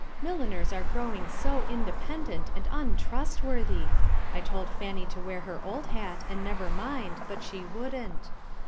Milliners are growing so independent and untrustworthy! I told Fanny to wear her old hat and never mind, but she wouldn't.